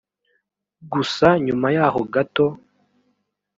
Gusa nyuma yaho gato